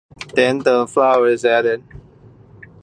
Then the flour is added.